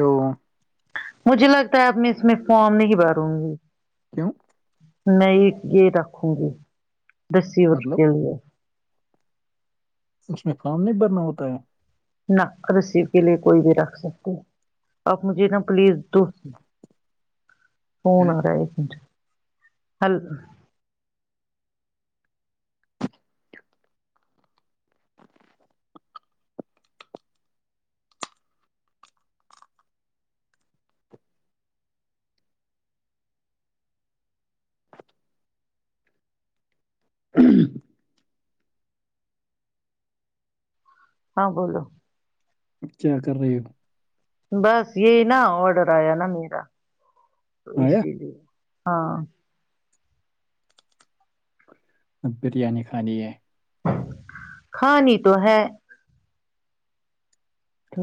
تو مجھے لگتا ہے اب میں اس میں فارم نہیں باروں گی کیوں میں یہ رکھوں گی دسی اٹ مطلب کے لیے اس میں فم نہیں بھرنا ہوتا ہے نق رسیب کے لیے کوئی بھی رکھ سکتے آپ مجھے نا پلیز تو ہے فون آ رہا ہےایک م [unintelligible] ہ [unintelligible] [inaudible] ہاں بولو کیا کر رہے ہو بس یہی نا آڈر آیا نا میرا تو آیا اسی لیے ہاں اب بریانی کھانی ہے کھاانی تو ہے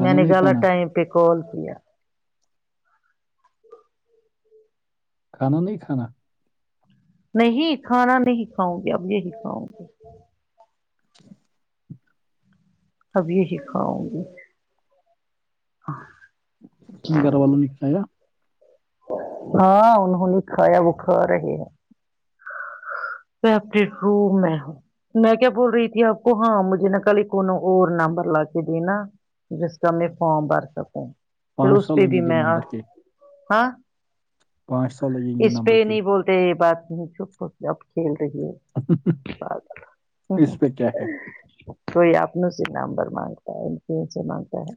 میں نے نہیں غلط کھانا ٹائم پہ کال کیا کھانا نہیں کھانا نہیں کھانا نہیں کاؤں گی اب یہی کاؤں گی [inaudible] [unintelligible] اب یہی کھاؤں گی گھر والوں نےکھایا ہاں انہوں نے کھایا وہ کھا رہے ہیں میں اپنے روم میں ہوں میں کیا بول رہی تھی آپ کو ہاں مجھے نا کل ایک کو نوں اور نمبر لا کے دینا جس کا میں فارم بھر سکوں پھر پانچ اس سو پہ بھی لگیں گے میں آ نمبر کے ہاں پانچ سو لگیں گے اس نمبر پہ کے نہیں بولتے یہ بات کھیل رہی ہوں اس پہ کیا ہے کوئی اپنوں سے نمبر مانگتا ہے ان سے مانگتا ہے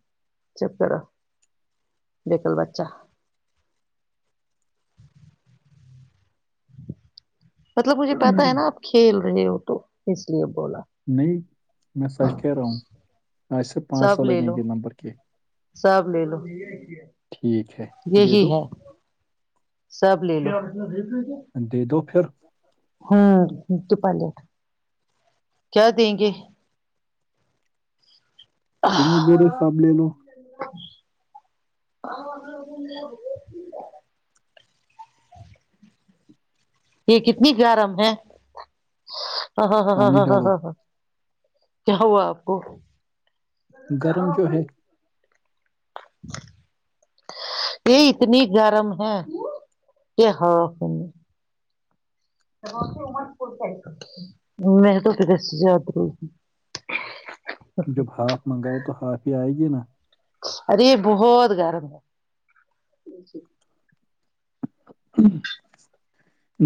چک کرو بییکل بچہ مطلب مجھے پتا ہے نا آپ کھیل رہے ہو تو اس لیے بولا نہیں میں سچ کہہ رہا ہوں آج سے پانچ سب سو لے لگیں لو گے نمبر کے سب لے لو ٹھیک ہے دے یہی دو ہے سب لے لو دے دو پھر ہوں تو کیا دیں گے تم نے بولا سب لے لو [unintelligible] یہ کتنی گرم ہے ہ ہاں ہ ہ ہ پانی ہ ڈالو ہاں ہاں کیا ہوا آپ کو گرم جو ہے [inaudible] یہ اتنی گرم ہے [unintelligible] میں تو صبح سے جاگ رہی تھی جب ہاف منگائے تو ہاف ہی آئے گی نا ارے بہت گرم ہے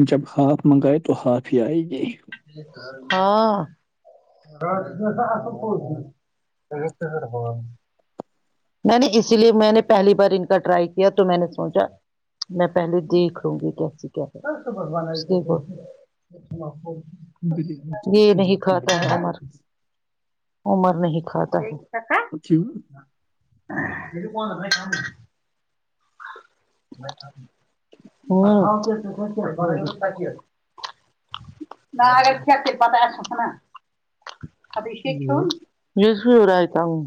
جب ہاف منگائے تو ہاف ہی آئے گی ہاں [unintelligible] میں نہیں اسی لیے میں نے پہلی بار ان کا ٹرائی کیا تو میں نے سوچا میں پہلے دیکھ لوں گی بریانی تو یہ اچھی نہیں کھاتا ہے عمر عمر نہیں کھاتا ہے کیوں [unintelligible] گ ہے نہ اگر کیا پتہ ہے سا ہے نا ابھیشیک کی اور میں کی راہتا ہوں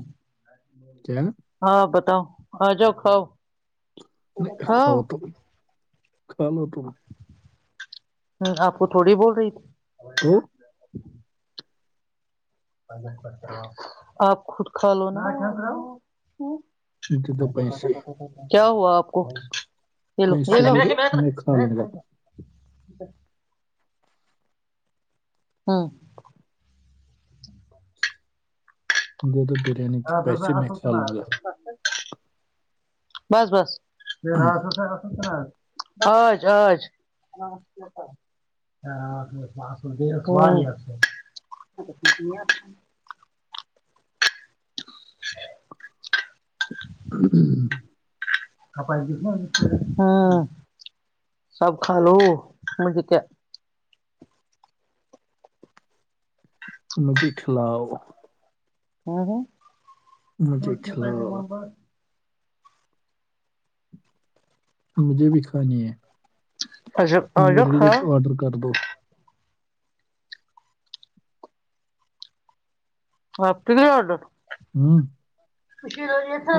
کیا ہاں بتاؤ آ جاؤ کاؤ نہیں کھاؤ توم کھا لو توم ہوں آپ کو تھوڑی بول رہی تھی تو آپ خود کھا لو نا دے دو پیسے کیا ہوا آپ کو و پیسے دے دو میں کھا لوں گا ہاں گ تو بریانی کے ہاں پھر پ پیسے آ میں کھا سلچنا لوں گا بس بس یہ رات اچ اج ہ د [unintelligible] ہ کپائی بھی ہ سب کھا لو مھ کے مجھے کھلاؤ د مجھے کھلاؤ ب مجھے بھی کھانی ہے اچھا آجا میرے لیے ایک کھاؤ آڈر کر دو آپ تگلی آڈ ہوں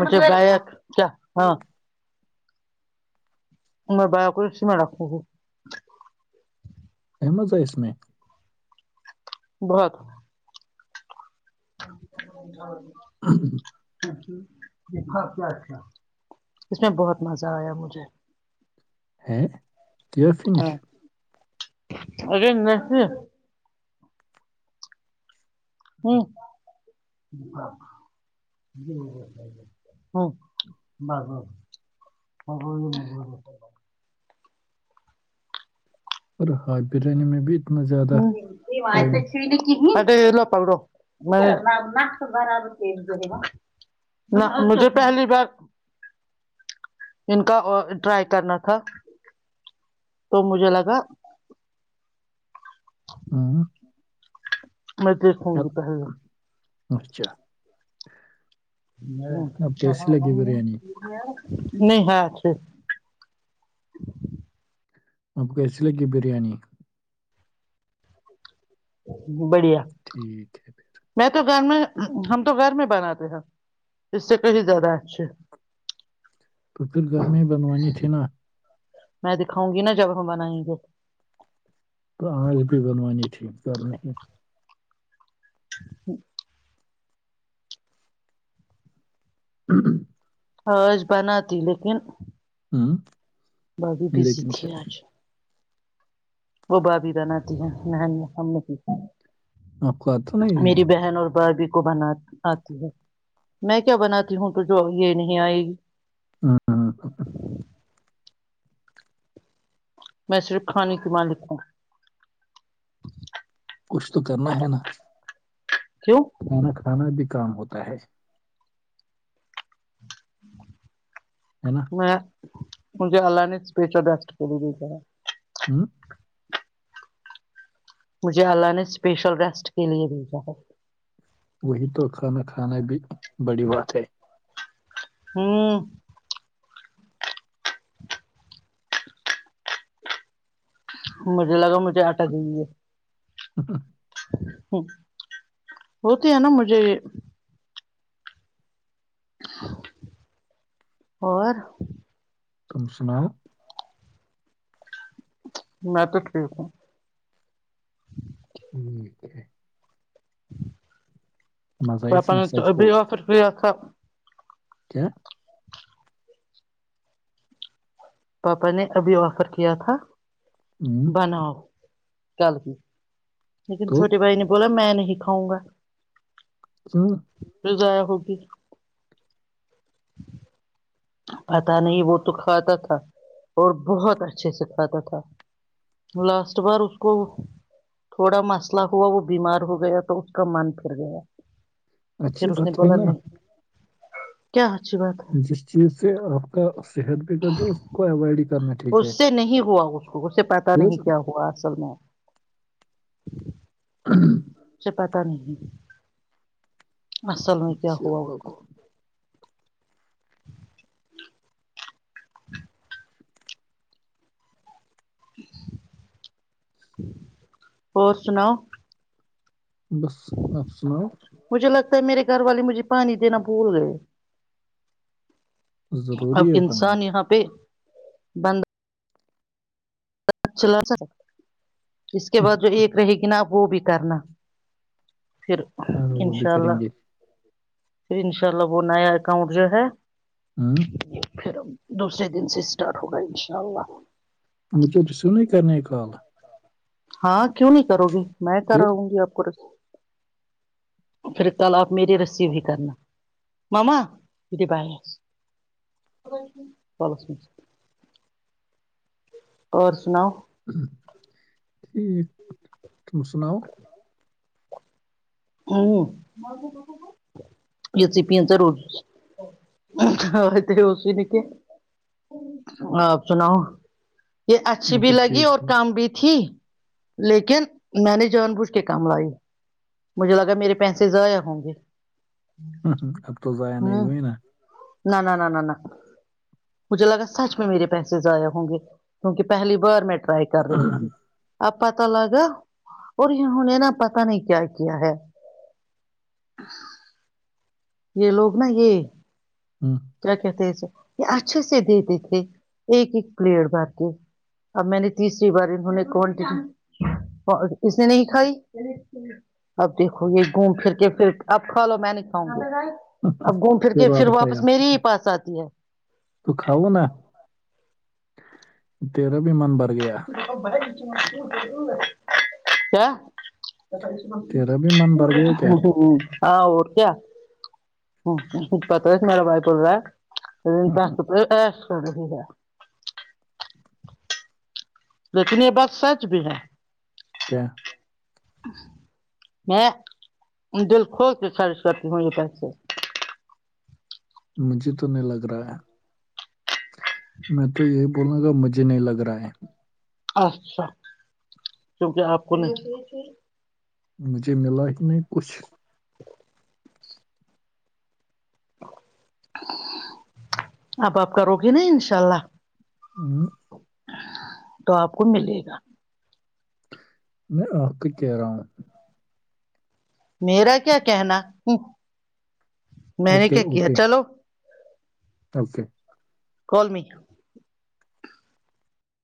مھے گائےک کیا ہاں میں باو کو سی میں رکھوں گوں ا مس میں بہت [unintelligible] ہ اچ اس میں بہت مزہ آیا مجھے ہ کی فنش اگرے ن ہوں جی ہ بر اور م اور ہاٹ بریانی میں بھی اتنا ہ زیادہ ٹائم م لو پڑو با نہ مجھے پہلی بار ان کا ٹرائی کرنا تھا تو مجھے لگا ہاں میں دیکھوں گی پہے اچھا آپ کیسی لگی بریانی نہیں ہاں اچھے آپ کو کیسی لگی ہے بریانی بڑھیا ٹھیک ہے پھر میں تو گھر میں ہم تو گھر میں بناتے ہیں اس سے کہش زیادہ آاتھ تو پھر گھر میں ہی بنوانی تھی نا میں دکھاں گ نا جب بنائیں گ تو آال بھی بنوانی ٹھیک کر رہی ہے ہ ہ ہ حرج بناتی لیکن ہاں میں بھی بزی تھھیے آج وہ بابھی بناتتی ہے نہنی ہم نے آپ کو آتا نہیں ہے میری بہن اور بھائی بھی بنات آتی ہے میں کیا بناتی ہوں تو جو یہ نہیں آئے گی ہاں ہاں میں صر خاانی کیماں لکھا کچھ تو کرنا ہے نا کیوں کھانا کھانا بھی کام ہوتا ہے ہے نا میں مجھے الان اسپیش رسٹ کر دی گئی تھا ہوں مجھے اللہ نے اسپیشل ریسٹ کے لیے بھیجا ہے وہی تو کھانا کھانا بھی بڑی بات ہے ہوں مجھے لگا مجھے آٹا دیں گے ہ ہاں ہ ہوتی ہے نا مجھے اور تم سناؤ میں تو ٹھیک ہوں ہ ہے [unintelligible] [inaudible] مزہ پ اس میں سچ بول آفر فری آا کیا پاپا نے ابھی آفر کیا تھا ہم، بناؤ کل کی لیکن تو چھوٹے بھائی نے بولا میں نہیں کھاؤں گا کیوں ضایا ہوگی پتا نہیں وہ تو کھاتا تھا اور بہت اچھے سے کھاتا تھا لاسٹ بار اس کو تھوڑا مسئلہ ہوا وہ بیمار ہو گیا تو اس کا من پھر گیا اچھی پھر اس نے بات ہے بولا نا نہیں کیا اچچھی بات ہے جس چیز سے آپ کا صحت ب گٹ جائے اس کو اوائڈ کرنا ٹھیک اس ہے سے نہیں ہوا اس کو اس سے پتا پھر نہیں کیا ہوا اصل میں ہاں اس سے پتا نہیں اصل میں کیا ہوا انشاءاللہ کو اور سناؤ بس آپ سناؤ مجھے لگتا ہے میرے گھر والے مجھے پانی دینا بھول گئے اب ضروری ہے پانی انسان یہاں پہ بند چلا س اس کے بعد جو ایک رہے گی ن آب وہ بھی کرنا پھر ہاں، وہ بھی انشاء کریں اللہ گے پھر ان شاء اللہ وہ نیا اکاؤنٹ جو ہے ہاں پھر دوسرے دن سے اسٹارٹ ہوگا انشاء اللہ مجھے جیسو نہیں کرنی یہ کال ہاں کیوں نہیں کرو گی میں کر پھر رہوں گی آپ کو رس [inaudible] پھر تالا آپ میری رسیی بی کرنا ماما یہ بائے اور سناؤ ٹھیک تم سناؤ ھم یہ چ پیا روز تھ روز بھی نک آپ سناؤ یہ اچھی میں بھی تو لگی ٹھیک اور ہوں کم بھی تھی لیکن میں نے جان بوجھ کے کم لائی مجھے لگا میرے پیسے ضائع ہوں گے ہوں، اب تو ضائع نہیں ھم ہوئی نا نہ نہ نہ مجھے لگا سچ میں میرے پیسے ضائع ہوں گے کیونکہ پہلی بار میں ٹرائی کر رہی تھی اب پتا لگا اور انہوں نے نا پتا نہیں کیا کیا ہے [inaudible] یہ لوگ نا یہ ھم کیا کہتے تھے اسے یہ لوگ نا اچھے سے دیتے تھے ایک ایک پلیٹ با کے اب میں نے تیسری بار انہوں نے کوانٹیٹی اس نے نہیں کھائی اب دیکھو یہ گھوم پھر کے پھر اب کھا لو میں نہیں کھاؤں گی اب گھوم پھر کے پھر واپ آپ کے پاس تو کھاؤ نا تیرا بھی من بر گیا کیا ا تیرا بھی من بھر گیا کیا ہاں اور کیا پتہ ہے میرا بھائی کیا بول رہا ہے د کریک ہے لیکن یہ بات سچ بھی ہے کیا میں دل کھول کے خرچ کرتی ہوں یہ پیسے مجھے تو نہیں لگ رہا ہے میں تو یہی بولوں گا مجھے نہیں لگ رہا ہے اچھا کیونکہ آپ کو نہیں لگے گا مجھے ملا ہی نہیں کچھ [inaudible] اب آپ کرو گےنا انشاء اللہ ھم تو آپ کو ملے گا میں آپ کا کہہ رہا ہوں میرا کیا کہنا میں نے اوکے کیا کیا اوکے چلو اوکے کوولمی